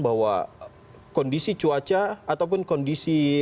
bahwa kondisi cuaca ataupun kondisi